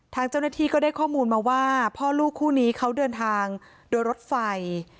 ทางเจ้าหน้าที่ก็ได้ข้อมูลมาว่าพ่อลูกคู่นี้เขาเดินทางโดยรถไฟ